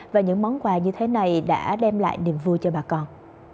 và những món quà như thế này đã đem lại niềm vui cho bà con